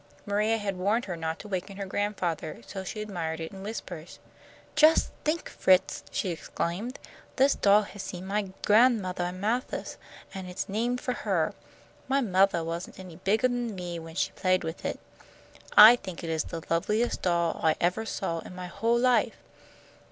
Maria had warned her not to waken her grandfather, so she admired it in whispers. "Jus' think, Fritz," she exclaimed, "this doll has seen my Gran'mothah Amanthis, an' it's named for her. My mothah wasn't any bigger'n me when she played with it. I think it is the loveliest doll I evah saw in my whole life."